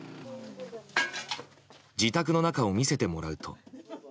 自宅の中を見せてもらうと。